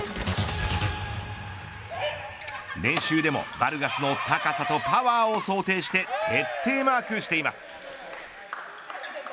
練習でもバルガスの高さとパワーを想定して徹底マークしています。